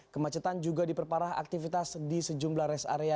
kemacetan juga diperparah aktivitas di sejumlah res area